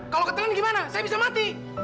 kalau ketelan gimana saya bisa mati